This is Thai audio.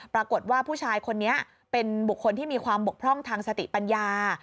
ปรากฏว่าผู้ชายคนนี้เป็นบุคคลที่มีความบกพร่องทางสติปัญญา